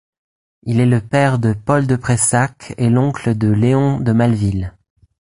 Il est le père de Paul de Preissac et l'oncle de Léon de Maleville.